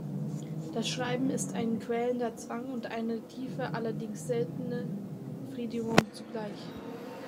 Das Schreiben ist ein quälender Zwang und eine tiefe, allerdings seltene Befriedigung zugleich.